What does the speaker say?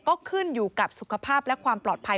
ก็ขึ้นอยู่กับสุขภาพและความปลอดภัย